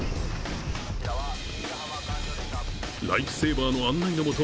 ライフセーバーの案内のもと